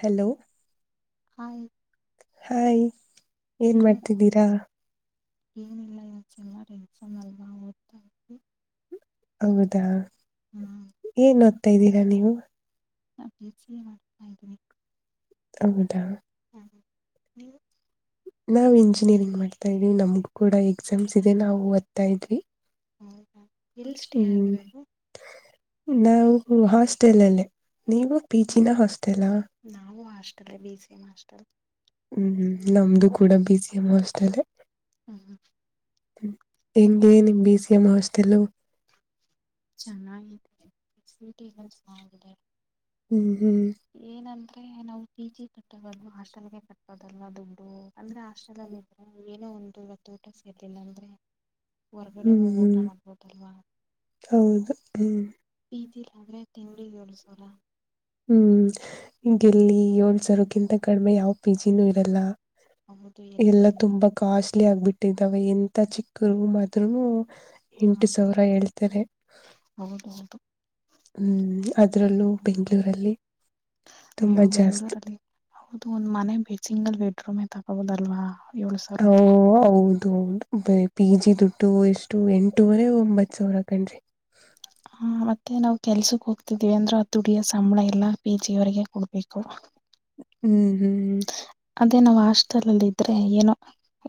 Hello ಆ hi [inaudible] ಏನ್ ಇಲ್ಲ ಮಾಡ್ತಿದ್ದೀರಾ ಏನಿಲ್ಲ ಇಲ್ಲ ಚೆನ್ನಾರ ಎಕ್ಸಾಮ್ ಅಲ್ವಾ ಓದ್ತಾವಿ ಹೌದಾ ಏನ್ ಓದ್ತಾ ಇದ್ದೀರಾ ನೀವು ನಾ ಚೀಚಿಯ ಮಾಡ್ತಾ ಇದ್ದೀನಿ ಹೌದಾ ನೀವು ನಾವ್ ಇಂಜಿನಿಯರಿಂಗ್ ಮಾಡ್ತಾ ಇದ್ವಿ ನಮ್ಗ ಕೂಡ ಎಕ್ಸಾಮ್ಸ್ ಇದೆ ನಾವುಓದ್ತಾ ಇದ್ವಿ ಹೌದಾ ಎಲ್ಲಿ ಸ್ಟೇ ಹ್ಮ್ ಆಗಿರೋದು ನಾವು ಹಾಸ್ಟೆಲ್ ಅಲ್ಲಿೇ ನೀವು ಪಿಚಿನ ಹಾಸ್ಟೆಲ್ ನಾವು hostel B C M hostel ಹ್ಮ್ ನಮ್ದು ಕೂಡ ಬಸ ಎ ಮಸ್ಟಲೆ ಹ್ಮ್ ಹ್ಮ ಎಂಡಿಯನ್ ಎ ಬಿೀಸಎಂ ಹಾಸ್ಟಲ್ ಚೆನ್ನಾಗಿದೆ ಸ್ಟ ಚೆನ್ನಾಗಿದೆ ಹ್ಮ್ ಹ್ಮ್ ಏನಂದ್ರೆ ನಾವು ಪಿ ಜಿ ಕಟ್ಟೋದಲ್ಲ ಹಾಸ್ಟೆಲ್ಗೆ ಕಟ್ಟೋದಲ್ಲದು ಅಂದ್ರೆ ಹಾಸ್ಟೆಲ್ ಅಲ್ಲಿ ಇದ್ರೆ ಏನೋ ಒಂದು ರತ್ತು ಊಟ ಸೇರ್ಲಿಲ್ಲ ಅಂದ್ರೆ ಹ್ಮ್ ಹ್ಮ್ ಹೌದು ಹ್ಮ್ ತಿಲ್ಲ ಆದ್ರೆ ತಿಂಗಳಿಗೆ ಎಳ್ಸರ ಹ್ಮ್ ಈಗೆಲ್ಲಿ ಏಳ್ಸರಕ್ಕಿಂತ ಕಡಿಮೆ ಯಾವ್ ಪಿ ಜಿನೂ ಇರಲ್ಲ ಹೌದು ಎಲ್ಲೂ ಎಲ್ಲ ಇಲ್ಲ ತುಂಬಾ ಕಾಸ್ಟ್ಲಿ ಆಗ್ಬಿಟ್ಟಿದ್ದಾವ ಎಂತ ಚಿಕ್ಕರು ಮಾತ್ರ್ೂನು ಎಂಟು ಹಾಂ ಸಾವಿರ ಹೇಳ್ತಾರೆ ಹೌದು ಹೌದು. ಹ್ಮ್ ಅದ್ರಲ್ಲೂ ಬೆಂಗಗಳೂರಲ್ಲಿ ಅಯ್ಯೋ ಬೆಂಗ್ಳೂರಲ್ಲಿ ಹೌದು ಒಂದ್ ಮನೆ ಸಿಂಗಲ್ ಬೆಡ್ರೂಮೇ ತಗೋಬುದಲ್ವಾ ಇವಳೋ ಸರ್ ಓ ಓಕೆ ಹೌದು ಪಿ ಜಿ ದುಡ್ಡು ಎಷ್ಟು ಎಂಟೂವರೆ ಒಂಬತ್ ಸಾವಿರ ಕಂಡ್ರಿ ಹಾ ಮತ್ತೆ ನಾವವು ಕೆಲ್ಸಕ್ ಹೋಗ್ತಿದೀವಿ ಅಂದ್ರ ಆ ದುಡಿಯಸ ನಮ್ಮಳ ಎಲ್ಲಾ ಪೀ ಜಿಗೆವರೆಗ ಕುಡುಪಕ್ಕ ಹ್ಮ್ ಹ್ಮ್ ಅದೇ ನಾವ್ ಹಸ್ಟೆಲ್ಲ್ಲಿ ಇದ್ರೆ ಏನೋ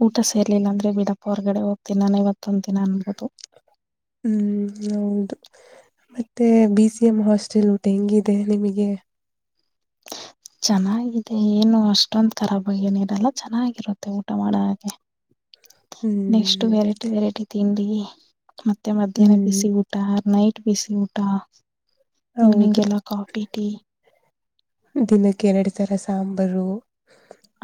ಊಟ ಸೇರ್ಲಿಲ್ಲ ಅಂದ್ರೆ ಬಿಡಪ್ಪ ಹೊರಗಡೆ ಹೋಗ್ತಿನ ನಾನ ಇವತ್ತೊಂದ್ ದಿನ ಅನ್ಬೋದು ಹ್ಮ್ ಹೌದು ಮತ್ತೆ ಬೀ ಸಿ ನಿಮ್ಮ್ ಹಾಸ್ಟೆಲ್ ಊಟ ಹೆಂಗಿದೆ ನಿಮಗೆ ಹ [inaudible] ಚೆನ್ನಾಗಿದೆ ಏನು ಅಷ್ಟೊಂದ ರಾಬ್ಗ ಏನ ಇಿದೆಲ್ಲ ಚೆನ್ನಾಗಿರುತ್ತೆ ಊಟ ಮಾಡೋ ಹಾಗೆ [inaudible] ನೆಕ್ಸ್ಟ್ ಹ್ಮ್ ವೆರೈಟಿ ವೆರೈಟಿ ತಿಂಡಿ ಮತ್ತೆ ಮಧ್ಯಾಹ್ನ ಹ್ಮ್ ಬಿಸಿ ಊಟ ಆರ್ ನೈಟ್ ಬಿಸಿ ಊಟ ಈವ್ನಿಂಗ್ ಹೌದು ಎಲ್ಲ ಕಾಫಿ ಟೀ ದಿನಕ್ಕೆ ಎರಡು ತರ ಸಾಂಬಾರು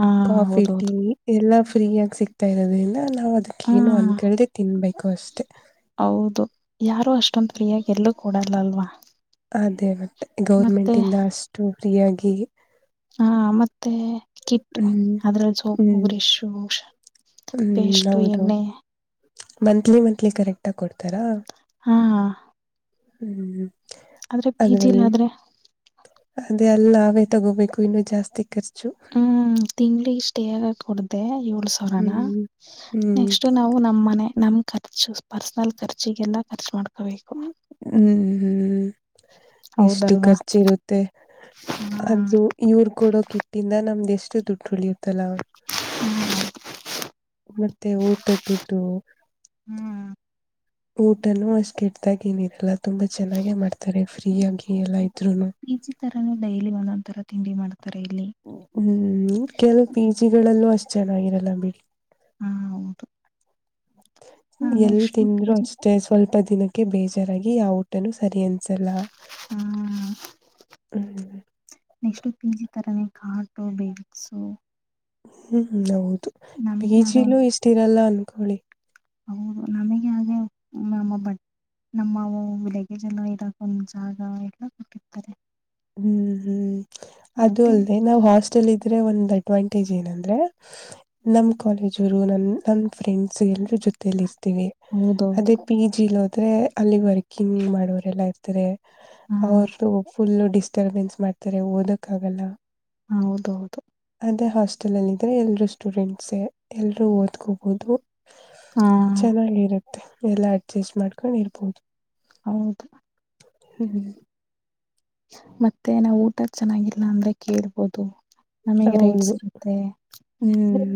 ಹ ಕಾಫಿ ಟೀ ಹೌದೌದು ಎಲ್ಲ ಫ್ರೀಯಾಗಿ ಸಿಗ್ತಾ ಇರೋದ್ರಿಂದ ನಾವು ಅದಕ್ಕೇನು ಹ್ಮ್ ಅನ್ಕೇಳ್ದೆ ತಿನ್ಬೇಕು ಅಷ್ಟೇ ಹೌದು ಯಾರು ಅಷ್ಟೊಂದ ಫ್ರೀಯಾಗಿ ಎಲ್ಲೂ ಕೊೂಡಲ್ಲ ಅಲ್ವಾ ಅದೇ ಮತ್ತೆ ಮತ್ತೆ ಗೌರ್ಮೆಂಟ್ ಇಂದ ಅಷ್ಟು ಫ್ರೀಯಾಗಿ ಹಾ ಮತ್ತೆ ಕಿಟ್ಟ ಹ್ಮ್ ಅದ್ರಲ್ಲಿ ಸೋಪು ಹ್ಮ್ ಬ್ರಿಶು ಹಷ ಹ್ಮ್ ಹೌದು ಮಂತ್ಲಿ ಮಂತ್ಲಿ ಕರೆಕ್ಟಾಗಿ ಕೊಡ್ತಾರಾ ಹಾ ಹ್ಮ್್ಮ ಆದ್ರೆ ಪಿ ಜಿ ಲೀ ಆದ್ರೆ ಅಲ್ಲಿ ನಾವೇ ತಗೋಬೇಕು ಇನ್ನುೂ ಜಾಸ್ತಿ ಹ್ಮ್ ತಿಂಗಳಿಗೆಷ್ಟೇಗ ಕೊಡ್ದ ಇ ಸಾವಿರ ಹ್ಮ್ ಹ್ಮ್ ನೆಕ್ಸ್ಟ್ ನಾವು ನಮ್ ಮನೆ ನಮ್ ಕ ಪರ್ಸನಲ್ ಖರ್ಚಿಗೆಲ್ಲ ಖರ್ಚು ಮಾಡ್ ್ಮ ಹ್ಮ್ ಹ್ಮ್ ಎಷ್ಟು ಹೌದಲ್ವಾ ಖರ್ಚಿರುತ್ತೆ ಅದು ಇವರು ಕೊೂಡೋ ಕಿಟ್ಟಿಂದ ನಮ್ದು ಎಷ್ಟು ದುಡ್ಡು ಉಳಿಯುತ್ತೆ ಅಲ ಮತ್ತೆ ಊಟದ ದುಡ್ಡು ಊಟನು ಅಷ್ಟ ಕೆಟ್ಟ್ದಾಗ ಏನಿರಲ್ಲ ತುಂಬಾ ಚೆನ್ನಾಗೆ ಮಾಡ್ತಾರೆ ಫ್ರೀ ಆಗಿ ಎಲ್ಲ ಇದ್ರುನು ಪ ಜಿ ತರನ ಡೈಲಿ ಒಂದೊಂದರ ತಿಂಡಿ ಮಾಡ್ತಾರೆ ಇಲ್ಲಿ ಹ್ಮ್ ಕೆಲವು ಪಿ ಜಿ ಗಳಲ್ಲೂ ಅಷ್ಟ್ ಚೆನ್ನಾಗಿರಲ್ಲ ಬಿಡಿ ಹಾ ಹೌದು ಹಾ ಎಲ್ ನೆಕ್ಸ್ಟ್ ಪಿ ತಿಂದ್ರರು ಜಿ ಅಷ್ಟೇ ಸ್ವಲ್ಪ ದಿನಕ್ಕೆ ಬೇಜಾರಾಗಿ ಯಾವ ಊಟನು ಸರಿ ಅಂಸಲ್ಲ ಹಾ ನೆಕ್ಸ್ಟ್ ಪಿ ಜಿ [unintelligible] ಹ್ಮ್ ಹೌದು ನಮಗೆ ಆದ ಪಿಜಿಲುೂ ಇಷ್ಟಿರಲ್ಲ ಅನ್ಕೊಳ್ಳಿ ಹೌದು ನಮಗೆ ಹಾಗೆ ನಮ್ಮ ಬ ನಮ್ಮ ಲಗೇಜ್ ಎಲ್ಲ ಇರಕ ಒಂದ್ ಜಾಗ ಎಲ್ಲ ಕೊಟ್ಟಿರ್ತಾರೆ ಹ್ಮ್ ಹ್ಮ್ ಅದು ಮತ್ತೆ ಅಲ್ದೆ ನಾವ್ ಹಾಸ್ಟೆಲ್ ಇದ್ರೆ ಒಂದ್ ಅಡ್ವಾಂಟೇಜ್ ಏನಂದ್ರೆ ನಮ ಕಾಲೇಜರು ನ ನಮ ಫ್ರೆಂಡ್ಸ್ ಎಲ್ಲರ ಜೊತೆಯಲ್ಲಿ ಇತಾರೆ ಇರ್ತೀವಿ ಹೌದೌದು ಅದೇ ಪಿ ಜಿಲ್ ಹೋದ್ರೆ ಅಲ್ಲಿ ವರ್ಕಿಂಗ್ ಮಾಡೋರೆಲ್ಲಾ ಇರ್ತಾರೆ ಹಾ ಅವ್ರ್ದ ಫುಲ್ಲ ಡಿಸ್ಟರ್ಬೆನ್ಸ್ ಮಾಡ್ತಾರೆ ಓದಕ್ ಆಗಲ್ಲ ಹ ಹೌದ ಹೌದು ಅದೇ ಹಾಸ್ಟೆಲ್ ಅಲ್ಲಿ ಇದ್ರೆ ಎಲ್ರೂ ಸ್ಟೂಡೆಂಟ್ಸ್ ಎಲ್ರೂ ಓದ್ಕೋಬಹುದು ಹಾ ಚೆನ್ನಾಗಿರುತ್ತೆ ಎಲ್ಲ ಅಡ್ಜಸ್ಟ್ ಮಾಡ್ಕೊಂಡ್ಿರ್ಬೋದು ಹೌದು ಹ್ಮ್ ಹ್ಮ್ ಮತ್ತೆ ನಾವ್ ಊಟ ಚೆನ್ನಾಗಿಲ್ಲ ಅಂದ್ರೆ ಕೇಳ್ಬೋದು ನಮಗೆ ರೈಟ್ಸ್ ಹೌದು ಇರುತ್ತೆ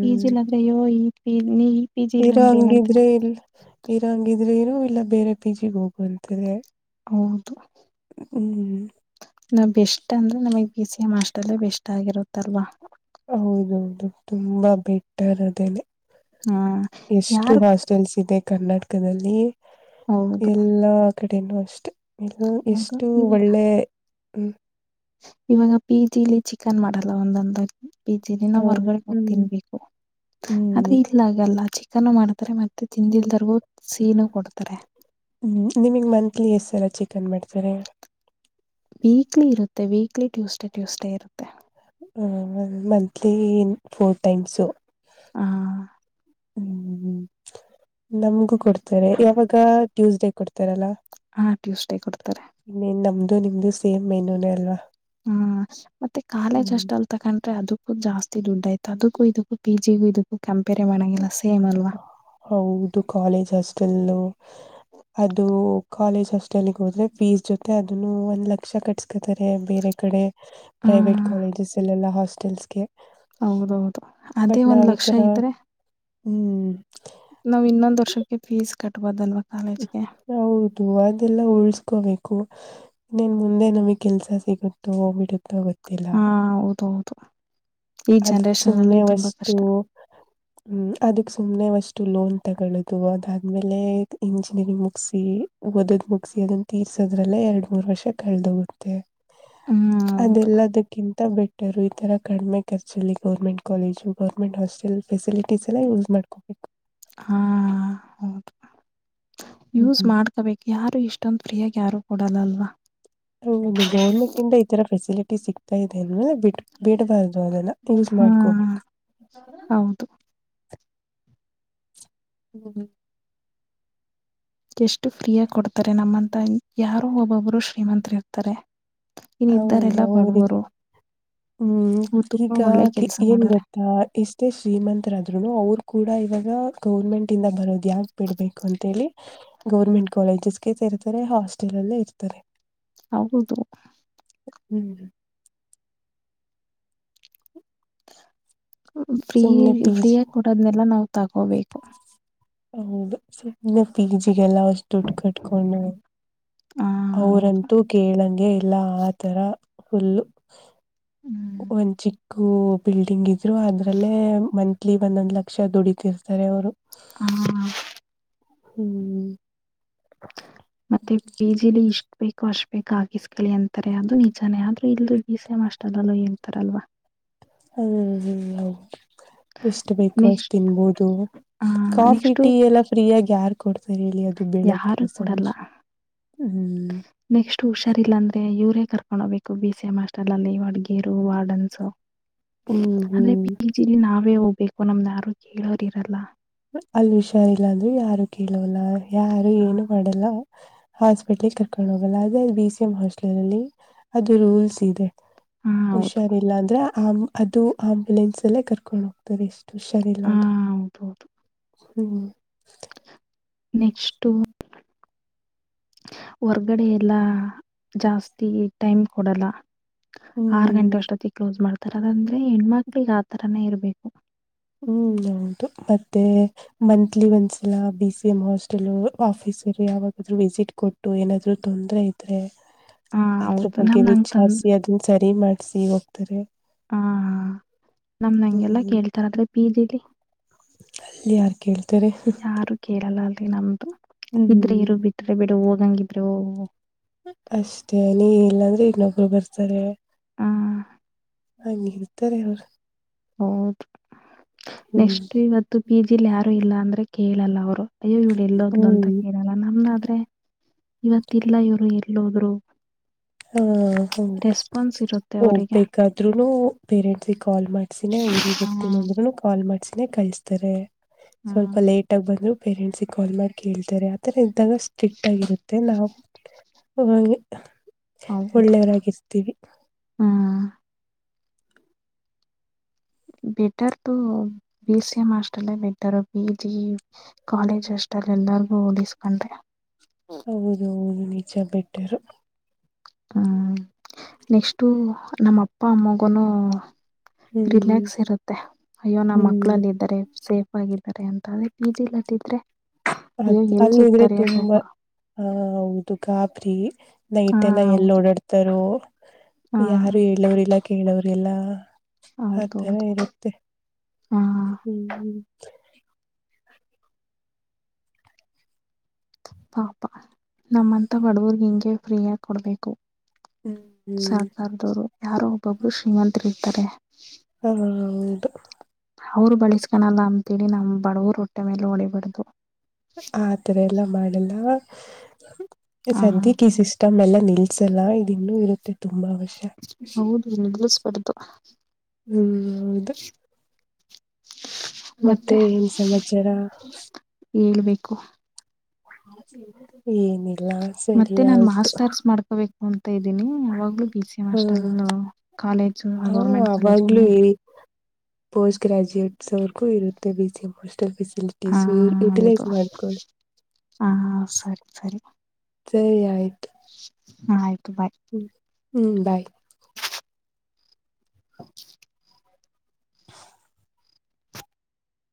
ಪಿ ಜಿ ಇಲ್ಲಾಂದ್ರೆ ಯೋ ಈ ಪಿ ಜಿ ಇಲ್ಲ ಇರೋ ಅಂದ್ರೆ ಏನಂತೆ ಹಂಗಿದ್ರೆ ಎಲ್ಲ ಬೇರೆ ಪಿ ಜಿಿಗೆ ಹೋಗುವಂತದೆ ಹೌದು ನಾ ಬೆಸ್ಟ್ ಅಂದ್ರೆ ನಮಗ್ ಬ ಸಿ ಎಂ ಬೆಷ್ಟ ಆಗಿರುತ್ತಲ್ವಾ ಹೌದೌದು ತುಂಬಾ ಬೆಟ್ಟರ್ ಅದೇನೆ ಹ ಎಷ್ಟು ಯಾರು ಹಾಸ್ಟೆಲ್ಸ್ ಇದೆ ಕರ್ನಾಟಕದಲ್ಲಿ ಹೌದು ಎಲ್ಲಾ ಕಡೆನೂ ಅಷ್ಟೆ ಹೌದು ಎಷ್ಟು ಇವಾಗ ಒಳ್ಳೆ ಇವಾಗ ಪಿ ಜಿಲಿ ಚಿಕನ್ ಮಾಡಲ್ಲ ಒಂದೊಂದಾಗಿ ಪಿಜಿ ಹಾ ನಾವು ಹೊರ್ಗಡೆ ಹೋಗ್ ಹ್ಮ್ ತಿನ್ಬೇಕು ಆದ್ರೆ ಹ್ಮ್ ಇಲ್ಲಗಲ್ಲ ಮಾಡ್ತಾರೆ ಮತ್ತೆ [unintelligible] ಕೊಡ್ತಾರೆ ಹ್ಮ ನಿಮಗ್ ಮಂತ್ಲಿ ಎಷ್ಟ ಸಲ ಚಿಕನ್ ಮಾಡ್ತಾರೆ ವೀಕ್ಲಿ ಇರುತ್ತೆ ವೀಕ್ಲಿ ಟ್ಯೂಸ್ಡೇ ಟ್ಯೂಸ್ಡೇ ಇರುತ್ತೆ ಒ ಮಂತ್ಲಿ ಫೋರ್ ಟೈಮ್ಸು ಹಾ ಹ್ಮ್್ಮ ನಮ್ಗೂ ಕೊಡ್ತಾರೆ ಯಾವಾಗ ಟ್ಯೂಸ್ಡೇ ಕೊಡ್ತಾರಲ್ಲಾ ಹಾ ಟ್ಯೂಸ್ಡೇ ಕೊಡ್ತಾರೆ ಇದು ನಿಮ್ದು ಸೇಮ್ ಮೆನುಯೂನೇ ಅಲ್ವಾ ಹ್ಮ್ ಮತ್ತೆ ಕಾಲೇಜ್ ಹ್ಮ್ ಅಷ್ಟ ಅಲ್ ತಕೊಂಡ್ರೆ ಅದಕ್ಕೂ ಜಾಸ್ತಿ ದುಡ್ಡು ಆಯ್ತು ಅದಕ್ಕೂ ಇದಕ್ಕೂ ಪೀ [unintelligible] ಹೌದು ಕಾಲೇಜ್ ಅಸ್ಟೆಲ್ ಅದು ಕಾಲೇಜ್ ಹಸ್ಟೆಲ್ಲಿಗೆ ಹೋದ್ರೆ ಫೀಸ್ ಜೊತೆ ಅದನ್ನು ಒಂದ್ ಲಕ್ಷ ಕಟ್ಸ್ಕತಾರೆ ಬೇರೆ ಕಡೆ ಪ್ರೈವೇಟ್ ಹ್ಮ್ ಕಾಲೇಜಸ್ ಎಲ್ಲೆಲ್ಲಾ ಹಾಸ್ಟೆಲ್ಸ್ಗೆ ಹೌದೌದು ಅದೇ ಬಟ್ ಒಂದ್ ನಾವ್ ಈ ಲಕ್ಷ ತರ ಇದ್ರೆ ಹ್ಮ್ ನಾವ್ ಇನ್ನೊಂದ್ ವರ್ಷಕ್ಕೆ ಫೀಸ್ ಕಟ್ಬಹದು ಅಲ್ವಾ ಹೌದು ಅದೆಲ್ಲ ಉಳ್ಸ್ಕೋಬೇಕು ನ್ನನ್ ಮುಂದೆ ನಮಗ್ ಕೆಲ್ಸ ಸಿಗುತ್ತೋ ಬಿಡುತ್ತೋ ಹಾ ಹೌದೌದು ಈ ಅದ ಜನರೇಶನ್ ಸುಮ್ನೆ ಅಲ್ಲಿ ತುಂಬಾ ವಷ್ಟು ಕಷ್ಟ. ಹ್ಮ ಅದಕ್ ಸುಮ್ನೆವಷ್ಟು ಲೋನ್ ತಗೊಳ್ಳುದು ಅದಾದ್ಮೇಲೆ ಇಂಜಿನಿಯರಿಂಗ್ ಮುಗಿಸಿಿ ಓದದ್ ಮುಗಿಸಿಿ ಅದನ್ನ ತೀರ ದ್ರಲ್ಲೇ ಎರಡು ಮೂರ್ ವರ್ಷ ಕಳೆದೋಗುತ್ತೆ ಹ್ಮ್ ಹೌದು ಅದೆಲ್ಲದಕ್ಕಿಂತ ಬೆಟ್ಟರು ಈ ತರ ಕಡಿಮೆ ಖರ್ಚುಲ್ಲಿ government college government hostel facilities ಎಲ್ಲ ಯೂಸ್ ಮಾಡ್ಕೋಬೇಕು ಹಾ ಹೌದು ಹ್ಮ್ ಯೂಸ್ ಹ್ಮ್ ಮಾಡ್ಕೋಬೇಕು ಯಾರು ಇಷ್ಟ ಇಷ್ಟೊಂದಂದು ಫ್ರಿಯಾಗಿ ಯಾರು ಕೊಡೋಲ್ಲ ಅಲ್ವಾ ಹ ಗೌರ್ಮೆಂಟ್ ಇಂದ ಈ ತರ ಫೆಸಿಲಿಟಿ ಸಿಗ್ತಾ ಇದೆ ಅಲ್ವಾ ಬಿಟ್ ಬಿಡ್ಬಾರ್ದು ಅದೆಲ್ಲ ಯೂಸ್ ಹಾ ಮಾಡ್ಕೋಬೇಕು ಹೌದು [inaudible] ಎಷ್ಟು ಫ್ರೀ ಆಗ ಕೊಡ್ತಾರೆ ನಮ್ಮಂತ ಯಾರೋ ಒಬ್ಬೊಬ್ರು ಶ್ರೀಮಂತರಿ ಇರ್ತಾರೆ ಇನ್ ಹೌದು ಇದ್ದಾರೆಲ್ಲಾ ಅವರಿಗೆ ಬಡವರು ಹ್ಮ್ ಅವ್ರು ತುಂಬಾ ಈಗ ಒಳ್ಳೆ ಕೆಲ್ಸ ಏನ್ ಮಾಡಾರೆ ಗೊತ್ತಾ ಇಷ್ಟೇ ಶ್ರೀಮಂತರಾದ್ರುನು ಅವ್ರ ಕೂಡ ಇವಾಗ ಗೌರ್ಮೆಂಟ್ ಇಂದ ಬರೋದು ಯಾಕೆ ಬಿಡ್ಬೇಕು ಅಂತೇಳಿ ಗೌರ್ಮೆಂಟ್ ಕಾಲೇಜಸ್ಗೆ ಹಾಸ್ಟೆಲ್ ಅಲ್ಲೇ ಇರ್ತಾರೆ ಹೌದು ಹ್ಮ್್ಮ ಫ್ರೀ ಸುಮ್ನೆ ಪಿ ಜಿ ಫ್ರೀಯಾಗಿ ಕೊಡೋದ್ನೆೆಲ್ಲ ನಾವು ತಗೋಬೇಕು ಹೌದು ಸುಮ್ನೆ ಪಿಜಿಗೆಲ್ಲ ಅಷ್ಟು ದುಡ್ ಕಟ್ಕೊಂಡ ಹ ಹೌದು ಅವರಂತೂ ಕೇಳಂಗೆ ಇಲ್ಲ ಆತರ ಫುಲ್ಲು ಹ್ಮ್ ಒಂದು ಚಿಕ್ಕ ಬಿಲ್ಡಿಂಗ್ ಇ ಇದ್ರು ಅದ್ರಲ್ಲೇ ಮಂತ್ಲಿ ಒಂದೊಂದ್ ಲಕ್ಷ ದುಡತಿರ್ತಾರೆ ಅವ್ರು ಹಾ ಹಾ ಹ್ಮ್ ಮತ್ತೆ ಪಿಜಿಲಿ ಇಷ್ಟ ಬೇಕು ಅಷ್ಟ ಬೇಕ ಹಾಕಿಸ್ಕಲಿ ಎಂತಾರೆ ಅದು ನಿಜಾನೇ ಆದ್ರೆ ಇಲ್ದು ಬಿ ಸಿ ಏಮ್ ಹಾಸ್ಟೆಲ್ [unintelligible] ಇರ್ತಾರಲ್ವ [unintelligible] ಎಷ್ಟ ಬೇಕು ಅಷ್ಟ ನೆಕ್ಸ್ಟ್ ತಿನ್ಬೋದು ಆ ಕಾಫಿ ನೆಕ್ಸ್ಟ್ ಟೀ ಎಲ್ಲ ಫ್ರೀ ಆಾಗಿ ಯಾರ್ ಕೊಡ್ತಾರೆ ಹೇಳಿ ಅದು ಯಾರು ಬೆಳಗ್ಗೆ ಕೊೂಡಲ್ಲ ಸಂಜೆ ಹ್ಮ್ ನೆಕ್ಸ್ಟ್ ಹುಷಾರಿಲ್ಲ ಅಂದ್ರೆ ಇವರು ಕರ್ಕೊಂಡ ಹೋಗ್ಬೇಕು ಬಿ ಸಿ ಎಂ ಹಸ್ಟೆಲ್ ಅಲ್ಲಿ ಅಡಗೇರು ವಾರ್ಡನ್ಸ್ ಹ್ಮ್ ಆದಂದ್ರೆ ಹ್ಮ್ ಪಿಜಿಲಿ ನಾವೇ ಹೋಗ್ಬೇಕು ನಮ್್ದಾರು ಕೇಳೋರಿರಲ್ಲ ಹಷಾರಲ್ಲ ಅಂದ್ರರು ಯಾರು ಕೇಳೋಲ್ಲ ಯಾರು ಹಾ ಏನು ಮಾಡಲ್ಲ ಹಾಸ್ಪಿಟ್ಲ್ ಕರ್ಕೊಂಡ ಅದೇ ಬಿ ಸಿ ಎಂ ಹಾಸ್ಟೆಲ್ ಅಲ್ಲಿ ಅದು ರೂಲ್ಸ್ ಇದೆ ಹೌದು ಹುಷಾರಿಲ್ಲ ಅಂದ್ರೆ ಆ್ ಅದು ಆಂಬುಲೆನ್ಸ್ ಅಲ್ಲೇ ಕರ್ಕೊಂಡು ಹೋಗ್ತಾರೆ ಎಷ್ಟು ಹುಷಾರ ಇಲ್ಲ ಹಾ ಅಂದ್ರ [unintelligible] ಹ್ಮ್ [inaudible] ಹೊರ್ಗಡೆ ಎಲ್ಲಾ ಜಾಸ್ತಿ ಟೈಮ್ ಕೊಡಲ್ಲ ಆರ್ ಗಂಟೆ ಹ್ಮ್ ಅಷ್ಟತ್ತ ಕ್ಲೋಸ್ ಮಾಡ್ ಆ ತರ ಅಂದ್ರೆ ಹೆಣ್ಮಕ್ಳಗ್ ಆತರಾನೇ ಇರ್ಬೇಕು ಹ್ಮ್ ಹೌದು ಮತ್ತೆ ಮಂತ್ಲಿ ಒಂದ್ಸಲ B C M hostel office ಸರಿ ಯಾವಾಗಾದ್ರೂ ವಿಸಿಟ್ ಕೊಟ್ಟು ಏನಾದ್ರು ತೊಂದ್ರರೆ ಇದ್ರೆ ಹಾ ಅದ್ರ ಹೌದು ಬಗ್ಗೆ ನಮ್ದು ಹಂಗ್ ತಂದ್ ವಿಚಾರ್ಸಿ ಅದನ್ನ ಸರಿ ಮಾಡ್ಸಿ ಹೋಗ್ತಾರೆ ಹಾ ನಮ ನಂಗೆಲ್ಲ ಹ್ಮ್ ಕೇಳ್ತಾರದ ಪಿಜಿ ಲೀ ಯಾರ್ ಕೇಳ್ತಾರೆ ಯಾರು ಕೇಳಲ್ಲ ನಮ್ದು ಇದ್ರೆ ಹ್ಮ್ ಇರು ಬಿಟ್ರೆ ಬಿೇಡ ಹೋಗಂಗಿದ್ರೆ ಹೋಗು ಅಷ್ಟೇ ನೀ ಇಲ್ಲಾಂದ್ರೆ ಇನ್ನೊಬ್ರು ಬರ್ತಾರೆ ಹಾ ಹಂಗ ಹಿರ್ತಾರೆ ಅವರು ಹೌದ ನೆಕ್ಸ್ಟ್ ಇವತ್ತು ಪಿ ಜಿಲಿ ಯಾರು ಇಲ್ಲ ಅಂದ್ರೆ ಕೇಳಲ್ಲ ಅವರು ಅಯ್ಯೋ ಇವ್ರು ಎಲ್ಲೋದ್ಲು ಅಂತ ಹ್ಮ್ ಕೇಳಲ್ಲ ನಮನ ಆದ್ರೆ ಇವತ್ತಲ್ಲ ಇವ್ರು ಎಲ್ಲೋದ್ರು ಹಾ ಹೌದು ರೆಸ್ಪಾನ್ಸ್ ಇರುತ್ತೆ ಅವರಿಗೆ ಹೋಗ್ಬೇಕಾದ್ರುನು ಪೇರೆಂಟ್ಸ ಕಾಲ್ ಮಾಡ್ಸಿನೆ ಊರಿಗೆಗ್ ಹೋಗ್ತೀನಿ ಹ್ಮ್ ಅಂದ್ರುನು ಕಾಲ್ ಮಾಡ್ಸಿನೇ ಕಳ್ಸ್ತಾರೆ ಸ್ವಲ್ಪ ಹ್ಮ್ ಲೇಟ್ ಆಗ ಬಂದ್ರು ಪೇರೆಂಟ್ಸ್ಗೆ ಕಾಲ್ ಮಾಡಿ ಕೇಳ್ತಾರೆ ಆತರ ಎ ಇದ್ದಾಗ ಸ್ಟ್ರಿಕ್ಟ್ ಆಗಿರುತ್ತೆ ನಾವು ಹೌದು ಒಳ್ಳೆಯವರಾಗಿರ್ತೀವಿ ಹ್ಮ್ better to B C M hostel ಇಾರ ಪಿ ಜಿ ಕಾಲೇಜ್ ಹಾಸ್ಟೆಲ್ ಅಲ್ಲಿ ಎಲ್ಲಾರ್ಗು ಓಡಿಸಕೊಂಡ್ರೆ ಹೌದು ಹೌದು ನಿಜ ಬಿಟ್ಟರು ಹ್ಮ್ ನೆಕ್ಸ್ಟು ನಮ್ಮ ಅಪ್ಪ ಅಮ್ಮಗನು ಹ್ಮ್ ರಿಲ್ಯಾಕ್ಸ್ ಇರುತ್ತೆ ಅಯ್ಯೋ ನಮ್ಮ ಹ್ಮ್ ಮಕ್ಳಲ್ಲ ಇದರೆ ಸೇಫ್ ಆಗ ಅಂತ ಪಿ ಜಿ ಲೀ ಇದ್ರೆ ಅ ಅಲ್ಲಿದ್ರೆ ತುಂಬಾ ಆ ಹೌದು ಗಾಬರಿ ನೈಟ್ ಎಲ್ಲ ಹಾ ಎಲ್ಲಿ ಓಡಾಡ್ತಾರೋ ಹಾ ಯಾರು ಹೇಳೋ್ರಲ್ಲ ಕೇಳೋವ್ರಲ್ಲ ಆ ತರ ಹೌದೌದು ಇರುತ್ತೆ ಹಾ ಹ್ಮ್ ಹ್ಮ್ ಪಾಪ ನಮ್ಮಂತ ಬಡವರ್ಗ್ ಹಿಂಗೆ ಫ್ರೀಯಗ ಕೊಡ್ಬೇಕು ಸರ್ಕಾರದವರು ಯಾರೋ ಒಬ್ಬೊಬ್ರು ಶ್ರೀಮಂತರಿರ್ತಾರೆ ಹ ಹೌದು ಅವರು ಬಳಸ್ಕನಲ್ಲ ಅಂತೇಳಿ ನಮ್ ಬಡವರು ಹೊಟ್ಟೆ ಮೇಲೆ ಹೊಡಿಬರದು ಆತರ ಎಲ್ಲ ಮಾಡಲ್ಲ ಹ ಸದ್ಯಕ್ಕೆ ಈ ಸಿಸ್ಟಮ್ ಎಲ್ಲ ನಿಲ್ಸಲ್ಲ ಇದ ಇನ್ನು ಇರುತ್ಹೆ ತುಂಬ ವರ್ಷ ಹೌದು ನಿಲ್ಲಿಸ್ಬಾರ್ದು ಹ್ಮ್ಮ್ ಹೌದು ಮತ್ತೆ ಏನ್ ಸಮಾಚಾರ ಹೇಳ್ಬೇಕು ಏನಿಲ್ಲ ಸರಿ ಮತ್ತೆ ನಾನ್ ಆಯ್ತು ಮಾಸ್ಟರ್ಸ್ ಮಾಡ್ಕೋಬೇಕು ಅಂತ ಇದ್ದೀನಿ ಯಾವಾಗ್ಲೂ ಬಿ ಸಿ ಎಂ ಹ ಹಾಸ್ಟೆಲ್ ಕಾಲೇಜು ಆ ಹ ಗೌರ್ಮೆಂಟ್ ಅವಾಗ್ಲೂ ಕಾಲೇಜ್ಗಳೇ ಏ ಪೋಸ್ಟ್ ಗ್ರಾಜುಯೇಟ್ಸ್ ಅವ್ರರ್ಗೂ ಇರುತ್ತೇ B C M hostel office ಹಾ ಯುಟಿಲೈಸ್ ಹೌದು ಮಾಡ್ಕೊಳ್ಳಿ ಹಾ ಸರಿ ಸರಿ ಸರಿ ಆಯ್ತು ಹ ಆಯ್ತು ಬಾಯ್ ಹ್ಮ್ ಹ್ಮ್ ಬಾಯ್